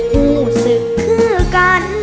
หูธสึกคือกัน